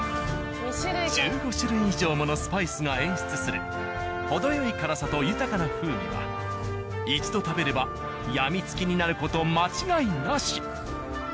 １５種類以上ものスパイスが演出する程よい辛さと豊かな風味は一度食べれば病みつきになる事間違いなし。